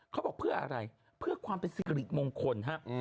เขาบอกเพื่ออะไรเพื่อความเป็นสิริมงคลครับ